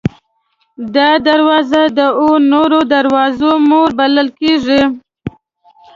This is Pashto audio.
دا دروازه د اوو نورو دروازو مور بلل کېږي.